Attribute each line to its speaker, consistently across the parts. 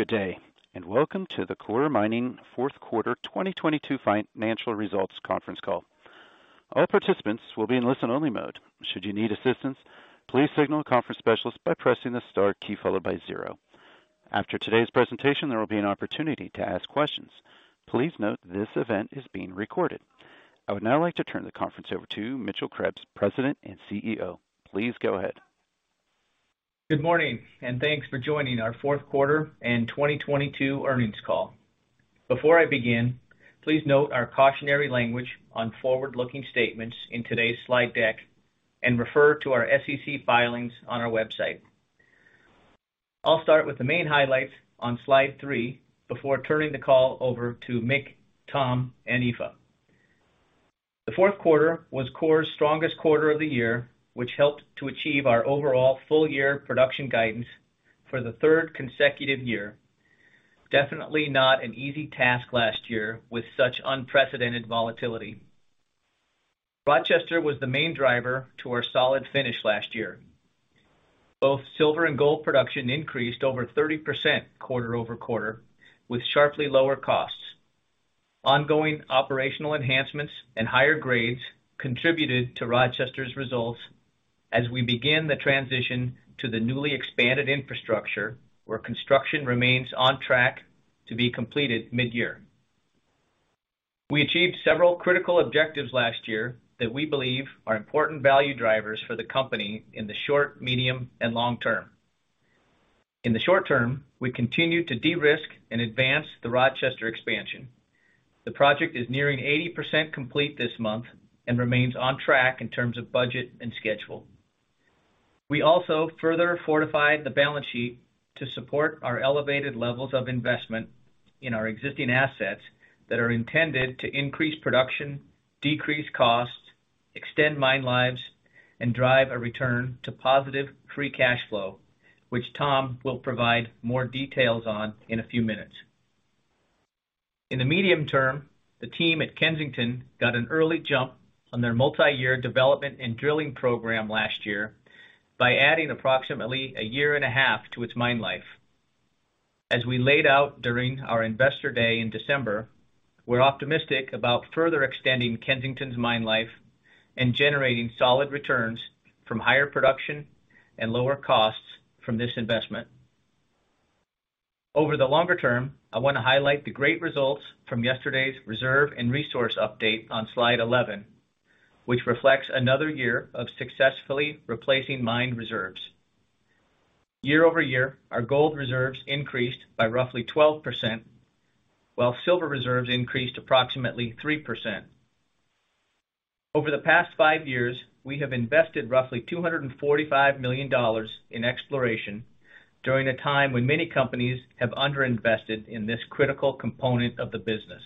Speaker 1: Good day. Welcome to the Coeur Mining Fourth Quarter 2022 Financial Results Conference Call. All participants will be in listen-only mode. Should you need assistance, please signal a conference specialist by pressing the star key followed by zero. After today's presentation, there will be an opportunity to ask questions. Please note this event is being recorded. I would now like to turn the conference over to Mitchell Krebs, President and CEO. Please go ahead.
Speaker 2: Good morning. Thanks for joining our fourth quarter and 2022 earnings call. Before I begin, please note our cautionary language on forward-looking statements in today's slide deck. Refer to our SEC filings on our website. I'll start with the main highlights on slide three before turning the call over to Mick, Tom, and Aoife. The fourth quarter was Coeur's strongest quarter of the year, which helped to achieve our overall full-year production guidance for the third consecutive year. Definitely not an easy task last year with such unprecedented volatility. Rochester was the main driver to our solid finish last year. Both silver and gold production increased over 30% quarter-over-quarter, with sharply lower costs. Ongoing operational enhancements and higher grades contributed to Rochester's results as we begin the transition to the newly expanded infrastructure, where construction remains on track to be completed mid-year. We achieved several critical objectives last year that we believe are important value drivers for the company in the short, medium, and long term. In the short term, we continued to de-risk and advance the Rochester expansion. The project is nearing 80% complete this month and remains on track in terms of budget and schedule. We also further fortified the balance sheet to support our elevated levels of investment in our existing assets that are intended to increase production, decrease costs, extend mine lives, and drive a return to positive free cash flow, which Tom will provide more details on in a few minutes. In the medium term, the team at Kensington got an early jump on their multi-year development and drilling program last year by adding approximately a year and a half to its mine life. As we laid out during our Investor Day in December, we're optimistic about further extending Kensington's mine life and generating solid returns from higher production and lower costs from this investment. Over the longer term, I want to highlight the great results from yesterday's reserve and resource update on slide 11, which reflects another year of successfully replacing mine reserves. Year-over-year, our gold reserves increased by roughly 12%, while silver reserves increased approximately 3%. Over the past five years, we have invested roughly $245 million in exploration during a time when many companies have underinvested in this critical component of the business.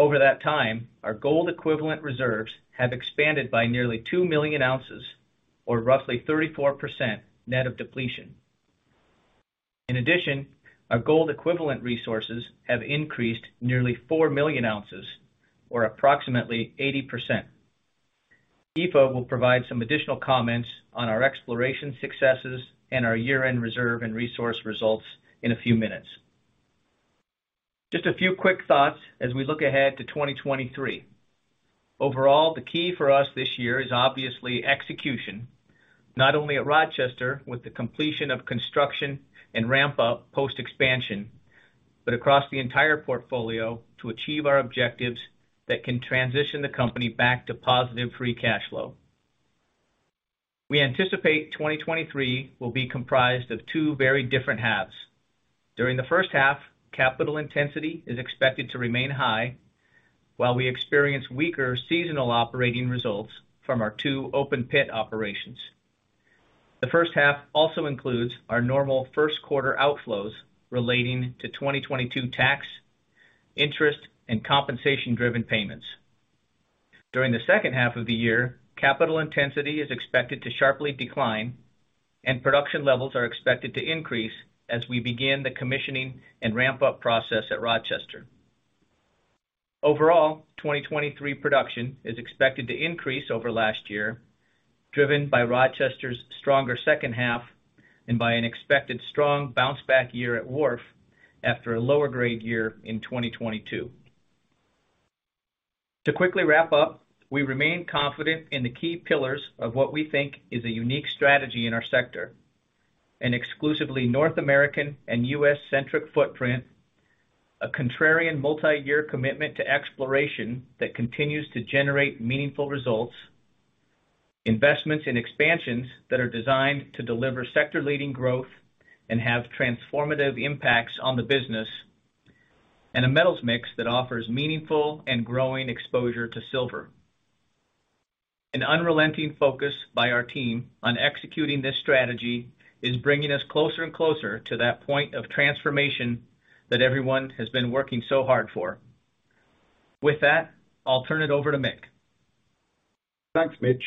Speaker 2: Over that time, our gold equivalent reserves have expanded by nearly two million ounces or roughly 34% net of depletion. In addition, our gold equivalent resources have increased nearly four million ounces or approximately 80%. Aoife will provide some additional comments on our exploration successes and our year-end reserve and resource results in a few minutes. Just a few quick thoughts as we look ahead to 2023. Overall, the key for us this year is obviously execution, not only at Rochester with the completion of construction and ramp up post-expansion, but across the entire portfolio to achieve our objectives that can transition the company back to positive free cash flow. We anticipate 2023 will be comprised of two very different halves. During the first half, capital intensity is expected to remain high, while we experience weaker seasonal operating results from our two open pit operations. The first half also includes our normal first quarter outflows relating to 2022 tax, interest, and compensation-driven payments. During the second half of the year, capital intensity is expected to sharply decline. Production levels are expected to increase as we begin the commissioning and ramp-up process at Rochester. Overall, 2023 production is expected to increase over last year, driven by Rochester's stronger second half and by an expected strong bounce back year at Wharf after a lower grade year in 2022. To quickly wrap up, we remain confident in the key pillars of what we think is a unique strategy in our sector, an exclusively North American and U.S.-centric footprint, a contrarian multi-year commitment to exploration that continues to generate meaningful results, investments in expansions that are designed to deliver sector-leading growth and have transformative impacts on the business, and a metals mix that offers meaningful and growing exposure to silver. An unrelenting focus by our team on executing this strategy is bringing us closer and closer to that point of transformation that everyone has been working so hard for. With that, I'll turn it over to Mick.
Speaker 3: Thanks, Mitch.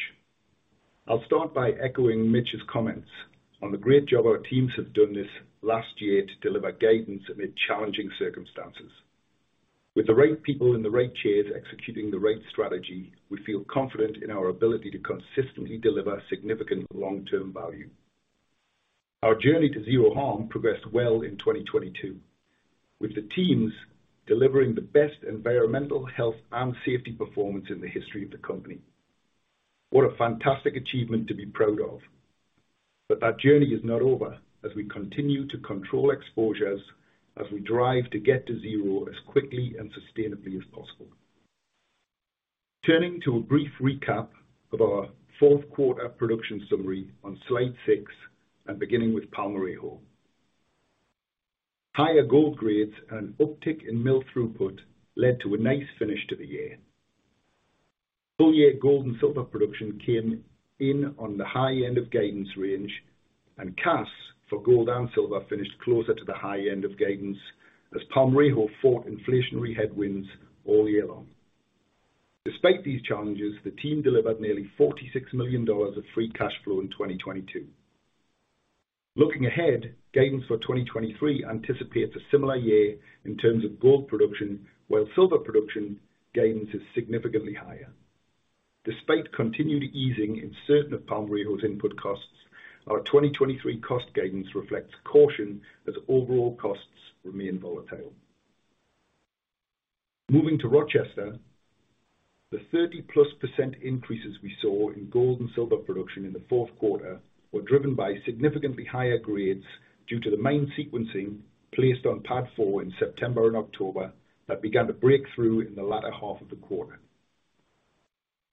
Speaker 3: I'll start by echoing Mitch's comments on the great job our teams have done this last year to deliver guidance amid challenging circumstances. With the right people in the right chairs executing the right strategy, we feel confident in our ability to consistently deliver significant long-term value. Our journey Zero Harm progressed well in 2022, with the teams delivering the best environmental health and safety performance in the history of the company. What a fantastic achievement to be proud of. Our journey is not over as we continue to control exposures as we drive to get to zero as quickly and sustainably as possible. Turning to a brief recap of our fourth quarter production summary on slide six and beginning with Palmarejo. Higher gold grades and uptick in mill throughput led to a nice finish to the year. Full year gold and silver production came in on the high end of guidance range. CAS for gold and silver finished closer to the high end of guidance as Palmarejo fought inflationary headwinds all year long. Despite these challenges, the team delivered nearly $46 million of free cash flow in 2022. Looking ahead, guidance for 2023 anticipates a similar year in terms of gold production, while silver production guidance is significantly higher. Despite continued easing in certain of Palmarejo's input costs, our 2023 cost guidance reflects caution as overall costs remain volatile. Moving to Rochester, the 30%-plus increases we saw in gold and silver production in the fourth quarter were driven by significantly higher grades due to the mine sequencing placed on pad four in September and October that began to break through in the latter half of the quarter.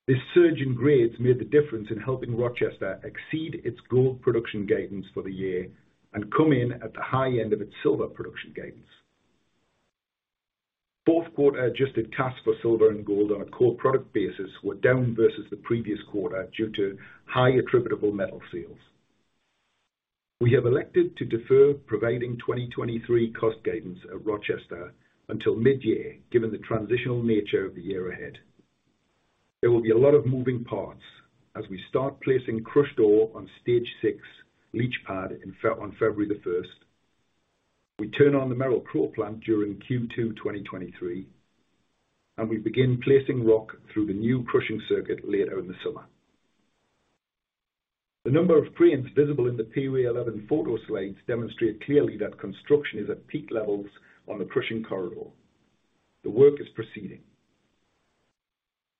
Speaker 3: This surge in grades made the difference in helping Rochester exceed its gold production guidance for the year and come in at the high end of its silver production guidance. Fourth quarter adjusted CAS for silver and gold on a core product basis were down versus the previous quarter due to high attributable metal sales. We have elected to defer providing 2023 cost guidance at Rochester until mid-year, given the transitional nature of the year ahead. There will be a lot of moving parts as we start placing crushed ore on Stage 6 leach pad on February 1st. We turn on the Merrill-Crowe plant during Q2 2023, and we begin placing rock through the new crushing circuit later in the summer. The number of prints visible in the POA 11 photo slides demonstrate clearly that construction is at peak levels on the crushing corridor. The work is proceeding.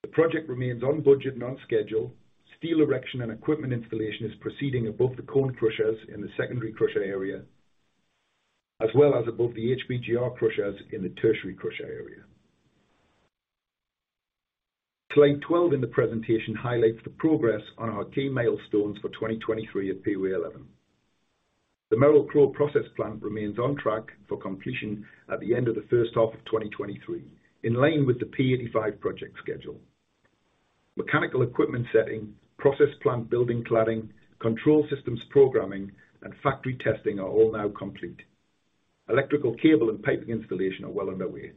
Speaker 3: The project remains on budget and on schedule. Steel erection and equipment installation is proceeding at both the cone crushers in the secondary crusher area, as well as above the HPGR crushers in the tertiary crusher area. Slide 12 in the presentation highlights the progress on our key milestones for 2023 at POA 11. The Merrill-Crowe process plant remains on track for completion at the end of the first half of 2023, in line with the P85 project schedule. Mechanical equipment setting, process plant building cladding, control systems programming, and factory testing are all now complete. Electrical cable and piping installation are well underway.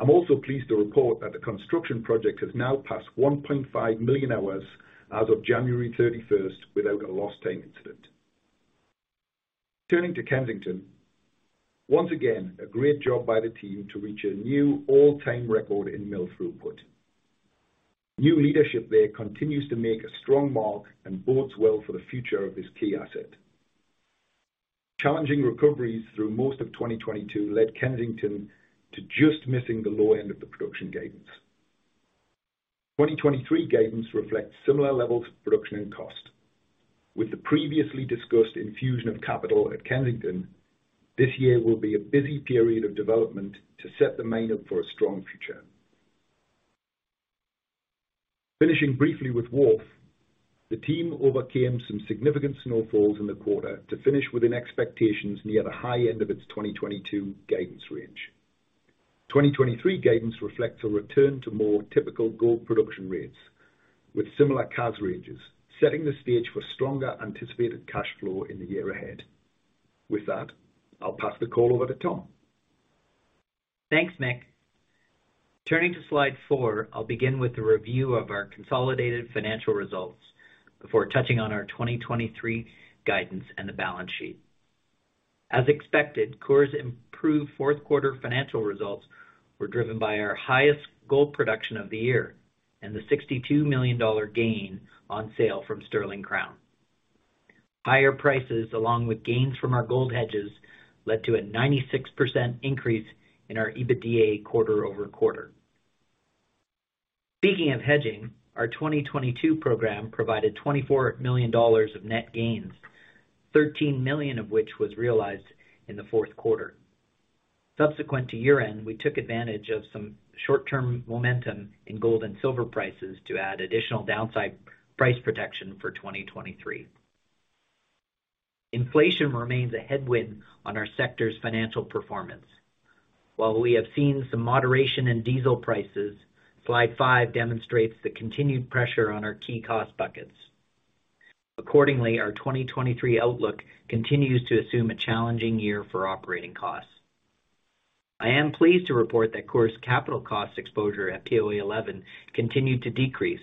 Speaker 3: I'm also pleased to report that the construction project has now passed 1.5 million hours as of January 31st without a lost time incident. Turning to Kensington. Once again, a great job by the team to reach a new all-time record in mill throughput. New leadership there continues to make a strong mark and bodes well for the future of this key asset. Challenging recoveries through most of 2022 led Kensington to just missing the low end of the production guidance. 2023 guidance reflects similar levels of production and cost. With the previously discussed infusion of capital at Kensington, this year will be a busy period of development to set the mine up for a strong future. Finishing briefly with Wharf, the team overcame some significant snowfalls in the quarter to finish within expectations near the high end of its 2022 guidance range. 2023 guidance reflects a return to more typical gold production rates with similar CAS ranges, setting the stage for stronger anticipated cash flow in the year ahead. With that, I'll pass the call over to Tom.
Speaker 4: Thanks, Mick. Turning to slide four, I'll begin with a review of our consolidated financial results before touching on our 2023 guidance and the balance sheet. As expected, Coeur's improved fourth quarter financial results were driven by our highest gold production of the year and the $62 million gain on sale from Sterling Crown. Higher prices, along with gains from our gold hedges, led to a 96% increase in our EBITDA quarter-over-quarter. Speaking of hedging, our 2022 program provided $24 million of net gains, $13 million of which was realized in the fourth quarter. Subsequent to year-end, we took advantage of some short-term momentum in gold and silver prices to add additional downside price protection for 2023. Inflation remains a headwind on our sector's financial performance. While we have seen some moderation in diesel prices, slide 5 demonstrates the continued pressure on our key cost buckets. Accordingly, our 2023 outlook continues to assume a challenging year for operating costs. I am pleased to report that Coeur's capital cost exposure at POA 11 continued to decrease,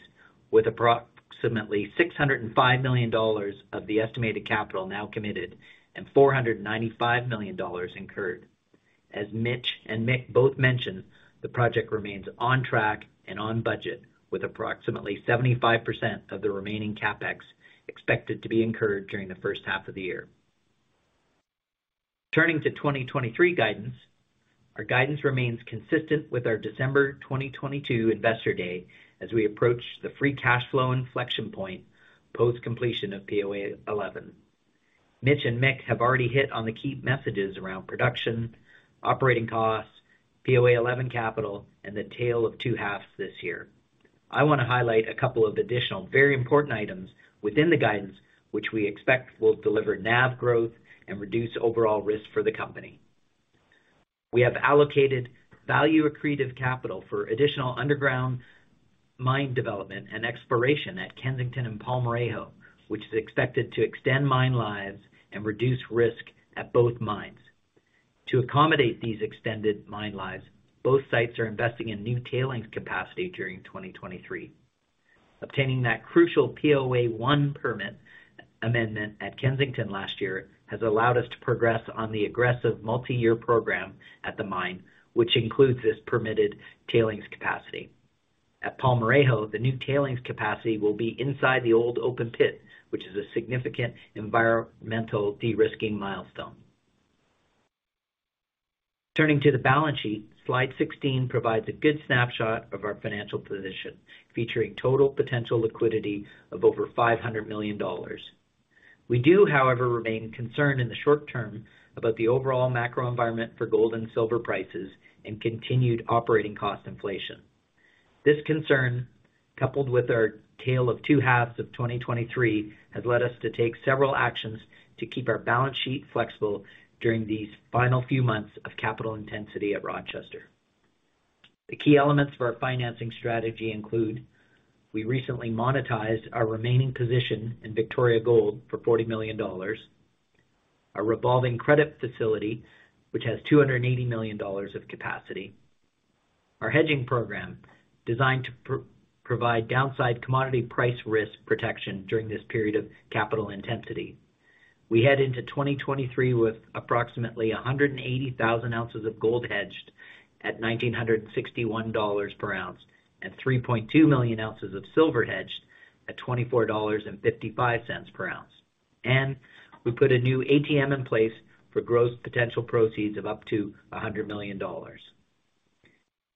Speaker 4: with approximately $605 million of the estimated capital now committed and $495 million incurred. As Mitch and Mick both mentioned, the project remains on track and on budget, with approximately 75% of the remaining CapEx expected to be incurred during the first half of the year. Turning to 2023 guidance. Our guidance remains consistent with our December 2022 investor day as we approach the free cash flow inflection point post completion of POA 11. Mitch and Mick have already hit on the key messages around production, operating costs, POA 11 capital, and the tale of two halves this year. I want to highlight a couple of additional very important items within the guidance, which we expect will deliver NAV growth and reduce overall risk for the company. We have allocated value accretive capital for additional underground mine development and exploration at Kensington and Palmarejo, which is expected to extend mine lives and reduce risk at both mines. To accommodate these extended mine lives, both sites are investing in new tailings capacity during 2023. Obtaining that crucial POA 1 permit amendment at Kensington last year has allowed us to progress on the aggressive multi-year program at the mine, which includes this permitted tailings capacity. At Palmarejo, the new tailings capacity will be inside the old open pit, which is a significant environmental de-risking milestone. Turning to the balance sheet, slide 16 provides a good snapshot of our financial position, featuring total potential liquidity of over $500 million. We do, however, remain concerned in the short term about the overall macro environment for gold and silver prices and continued operating cost inflation. This concern, coupled with our tale of two halves of 2023, has led us to take several actions to keep our balance sheet flexible during these final few months of capital intensity at Rochester. The key elements for our financing strategy include we recently monetized our remaining position in Victoria Gold for $40 million, our revolving credit facility, which has $280 million of capacity. Our hedging program designed to provide downside commodity price risk protection during this period of capital intensity. We head into 2023 with approximately 180,000 ounces of gold hedged at $1,961 per ounce, and 3.2 million ounces of silver hedged at $24.55 per ounce. We put a new ATM in place for gross potential proceeds of up to $100 million.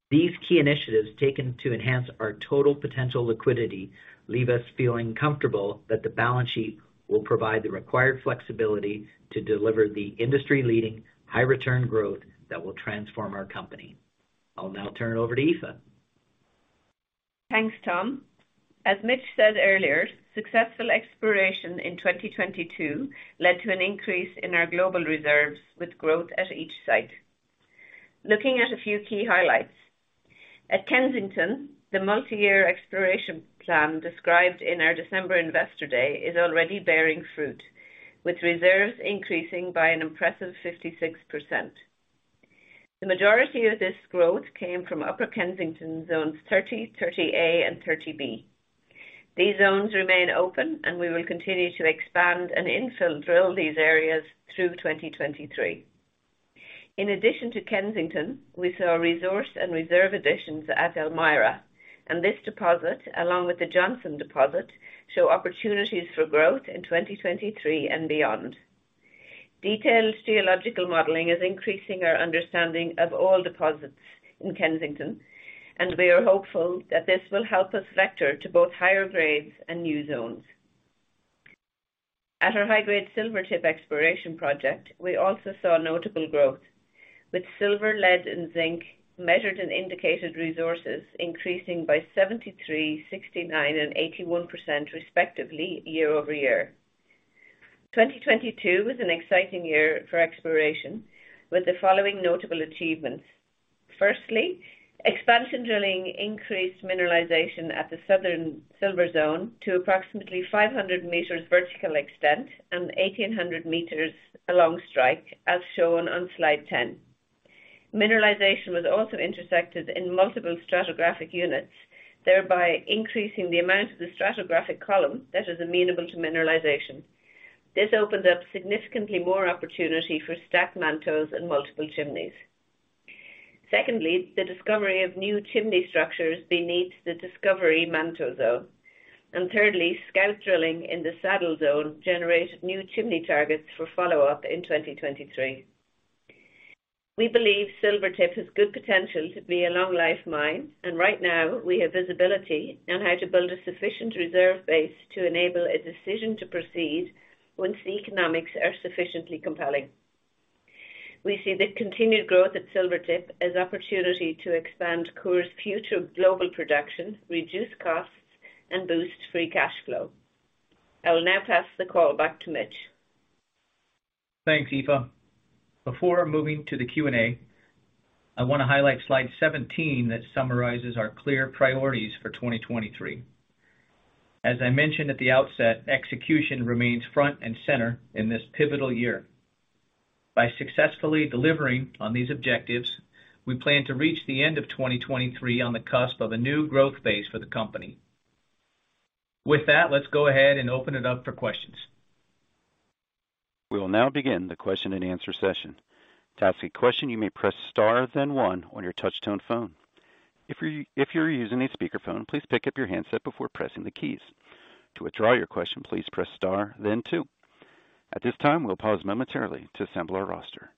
Speaker 4: These key initiatives taken to enhance our total potential liquidity leave us feeling comfortable that the balance sheet will provide the required flexibility to deliver the industry-leading high return growth that will transform our company. I'll now turn it over to Aoife.
Speaker 5: Thanks, Tom. As Mitch said earlier, successful exploration in 2022 led to an increase in our global reserves with growth at each site. Looking at a few key highlights. At Kensington, the multi-year exploration plan described in our December investor day is already bearing fruit, with reserves increasing by an impressive 56%. The majority of this growth came from Upper Kensington Zones 30 A, and 30 B. These zones remain open and we will continue to expand and infill drill these areas through 2023. In addition to Kensington, we saw resource and reserve additions at Elmira, and this deposit, along with the Johnson deposit, show opportunities for growth in 2023 and beyond. Detailed geological modeling is increasing our understanding of all deposits in Kensington, and we are hopeful that this will help us vector to both higher grades and new zones. At our high-grade Silvertip exploration project, we also saw notable growth, with silver, lead, and zinc measured and indicated resources increasing by 73%, 69%, and 81%, respectively year-over-year. 2022 was an exciting year for exploration with the following notable achievements. Firstly, expansion drilling increased mineralization at the Southern Silver Zone to approximately 500 meters vertical extent and 1,800 meters along strike, as shown on slide 10. Mineralization was also intersected in multiple stratigraphic units, thereby increasing the amount of the stratigraphic column that is amenable to mineralization. This opened up significantly more opportunity for stacked mantos and multiple chimneys. Secondly, the discovery of new chimney structures beneath the discovery manto zone. Thirdly, scout drilling in the Saddle Zone generated new chimney targets for follow-up in 2023. We believe Silvertip has good potential to be a long life mine, and right now we have visibility on how to build a sufficient reserve base to enable a decision to proceed once the economics are sufficiently compelling. We see the continued growth at Silvertip as opportunity to expand Coeur's future global production, reduce costs, and boost free cash flow. I will now pass the call back to Mitch.
Speaker 2: Thanks, Aoife. Before moving to the Q&A, I want to highlight slide 17 that summarizes our clear priorities for 2023. As I mentioned at the outset, execution remains front and center in this pivotal year. By successfully delivering on these objectives, we plan to reach the end of 2023 on the cusp of a new growth phase for the company. With that, let's go ahead and open it up for questions.
Speaker 1: We will now begin the question and answer session. To ask a question, you may press Star then 1 on your touch-tone phone. If you're using a speakerphone, please pick up your handset before pressing the keys. To withdraw your question, please press Star then two. At this time, we'll pause momentarily to assemble our roster.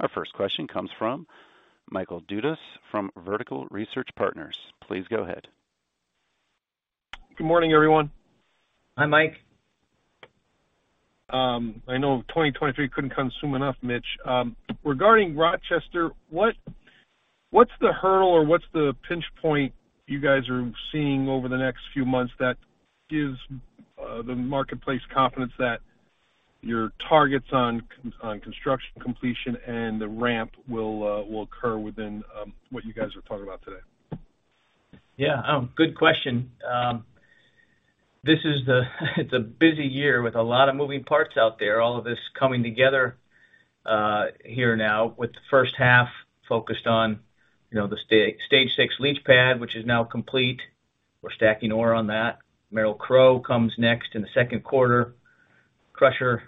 Speaker 1: Our first question comes from Michael Dudas from Vertical Research Partners. Please go ahead.
Speaker 6: Good morning, everyone.
Speaker 2: Hi, Mike.
Speaker 6: I know 2023 couldn't come soon enough, Mitch. Regarding Rochester, what's the hurdle or what's the pinch point you guys are seeing over the next few months that gives the marketplace confidence that your targets on construction completion and the ramp will occur within what you guys are talking about today?
Speaker 2: Good question. This is the it's a busy year with a lot of moving parts out there, all of this coming together here now with the first half focused on, you know, the Stage 6 leach pad, which is now complete. We're stacking ore on that. Merrill-Crowe comes next in the second quarter. Crusher,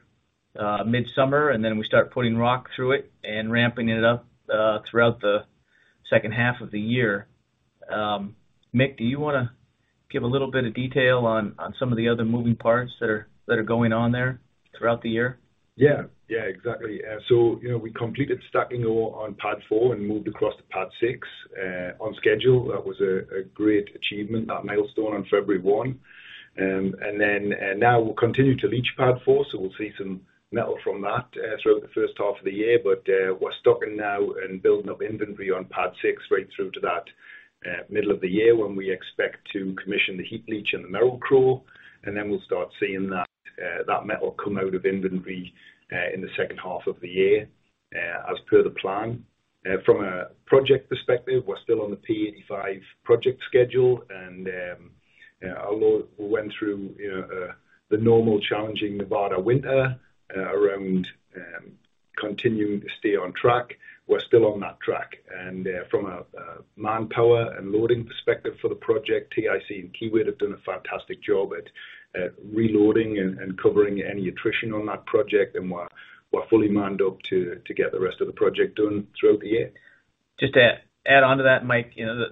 Speaker 2: mid-summer, and then we start putting rock through it and ramping it up throughout the second half of the year. Mick, do you wanna give a little bit of detail on some of the other moving parts that are going on there throughout the year?
Speaker 3: Yeah. Yeah, exactly. you know, we completed stacking ore on pad four and moved across to pad six on schedule. That was a great achievement, that milestone on February 1. we'll continue to leach pad four, so we'll see some metal from that throughout the first half of the year. we're stocking now and building up inventory on pad six right through to that middle of the year when we expect to commission the heap leach and the Merrill Crowe, we'll start seeing that metal come out of inventory in the second half of the year as per the plan. From a project perspective, we're still on the P85 project schedule. Although we went through, you know, the normal challenging Nevada winter, around continuing to stay on track, we're still on that track. From a manpower and loading perspective for the project, TIC and Kiewit have done a fantastic job at reloading and covering any attrition on that project, and we're fully manned up to get the rest of the project done throughout the year.
Speaker 2: Just to add onto that, Mike, you know,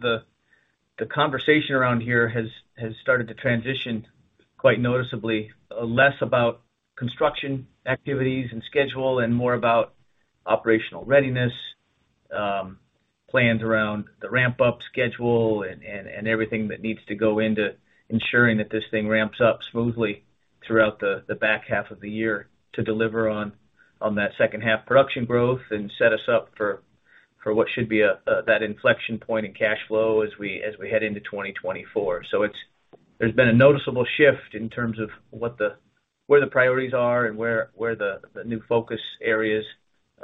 Speaker 2: the conversation around here has started to transition quite noticeably, less about construction activities and schedule and more about operational readiness, plans around the ramp-up schedule and everything that needs to go into ensuring that this thing ramps up smoothly throughout the back half of the year to deliver on that second half production growth and set us up for what should be a that inflection point in cash flow as we head into 2024. It's. There's been a noticeable shift in terms of what the, where the priorities are and where the new focus areas are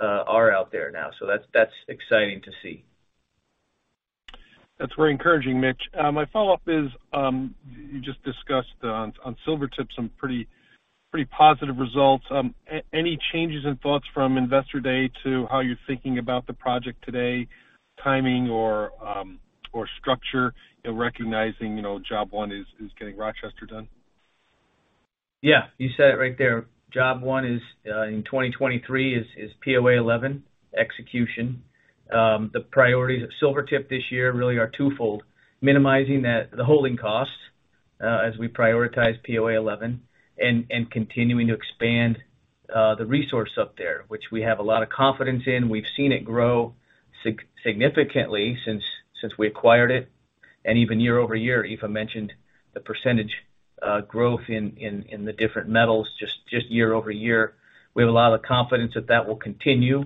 Speaker 2: out there now. That's exciting to see.
Speaker 6: That's very encouraging, Mitch. My follow-up is, you just discussed on Silvertip some pretty positive results. Any changes in thoughts from Investor Day to how you're thinking about the project today, timing or structure, you know, recognizing, you know, job one is getting Rochester done?
Speaker 2: Yeah, you said it right there. Job 1 is, in 2023 is POA 11 execution. The priorities at Silvertip this year really are twofold: minimizing the holding costs, as we prioritize POA 11 and continuing to expand the resource up there, which we have a lot of confidence in. We've seen it grow significantly since we acquired it. Even year-over-year, Aoife mentioned the percentage growth in the different metals just year-over-year. We have a lot of confidence that that will continue.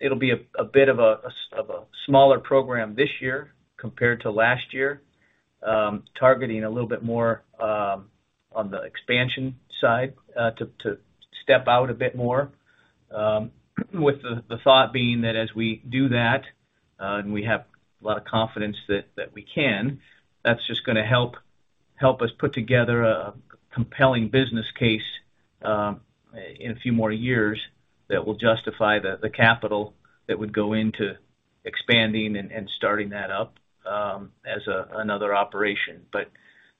Speaker 2: It'll be a bit of a smaller program this year compared to last year, targeting a little bit more on the expansion side, to step out a bit more with the thought being that as we do that, and we have a lot of confidence that we can, that's just gonna help us put together a compelling business case in a few more years that will justify the capital that would go into expanding and starting that up as another operation.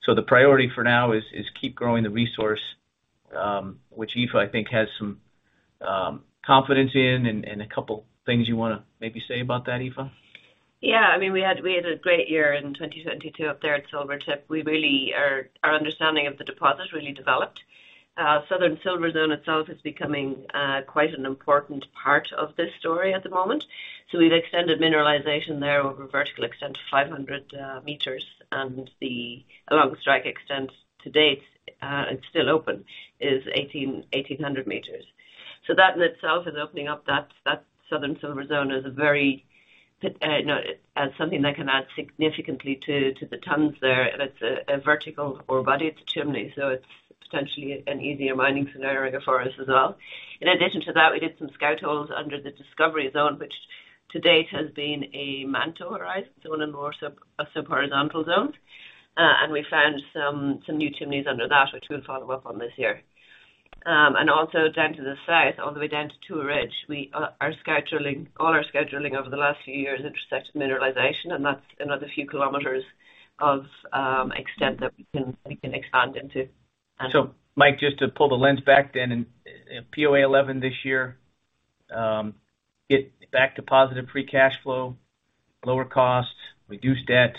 Speaker 2: The priority for now is keep growing the resource, which Aoife, I think, has some confidence in and a couple things you wanna maybe say about that, Aoife.
Speaker 5: Yeah. I mean, we had a great year in 2022 up there at Silvertip. We really. Our understanding of the deposit really developed. Southern Silver Zone itself is becoming quite an important part of this story at the moment. We've extended mineralization there over a vertical extent to 500 meters. The longest strike extent to date, it's still open, is 1,800 meters. That in itself is opening up that Southern Silver Zone as a very, you know, as something that can add significantly to the tons there. It's a vertical ore body. It's a chimney, so it's potentially an easier mining scenario for us as well. In addition to that, we did some scout holes under the Discovery Zone, which to date has been a manto, right? A subhorizontal zone. We found some new chimneys under that, which we'll follow up on this year. Also down to the south, all the way down to Tour Ridge, we are scheduling, all our scheduling over the last few years intersected mineralization, and that's another few kilometers of extent that we can expand into.
Speaker 2: Mike, just to pull the lens back then in POA 11 this year, get back to positive free cash flow, lower costs, reduce debt,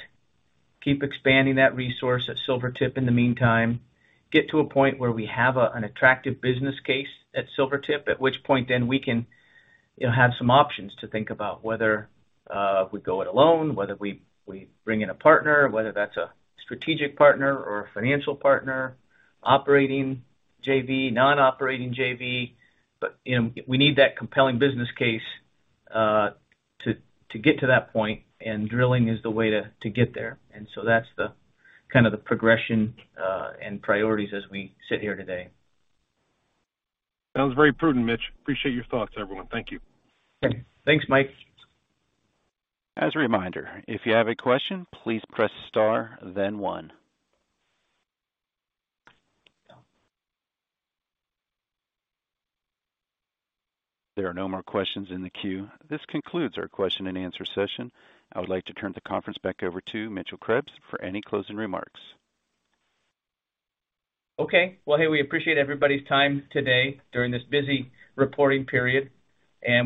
Speaker 2: keep expanding that resource at Silvertip in the meantime, get to a point where we have an attractive business case at Silvertip, at which point then we can, you know, have some options to think about whether we go it alone, whether we bring in a partner, whether that's a strategic partner or a financial partner, operating JV, non-operating JV. You know, we need that compelling business case to get to that point, and drilling is the way to get there. That's the kind of the progression and priorities as we sit here today.
Speaker 6: Sounds very prudent, Mitch. Appreciate your thoughts, everyone. Thank you.
Speaker 2: Thanks, Mike.
Speaker 1: As a reminder, if you have a question, please press star then one. There are no more questions in the queue. This concludes our question and answer session. I would like to turn the conference back over to Mitchell Krebs for any closing remarks.
Speaker 2: Okay. Well, hey, we appreciate everybody's time today during this busy reporting period.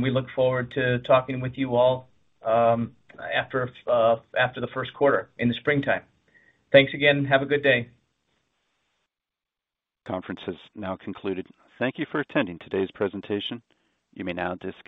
Speaker 2: We look forward to talking with you all, after the first quarter in the springtime. Thanks again. Have a good day.
Speaker 1: Conference has now concluded. Thank you for attending today's presentation. You may now disconnect.